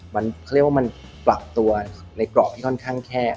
มันเขาเรียกว่ามันปรับตัวในกรอบที่ค่อนข้างแคบ